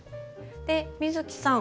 で美月さん